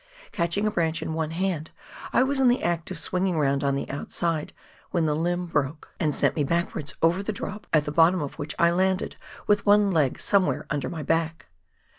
Catching a branch in one hand, I was in the act of swinging round on the outside, when the limb broke, and sent me backwards over the drop, at the bottom of which I landed with one leg somewhere under my back.